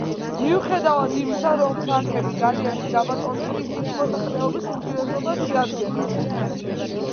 მიუხედავად იმისა, რომ ფრანკები გალიაში გაბატონდნენ, ისინი მოსახლეობის უმცირესობას შეადგენდნენ.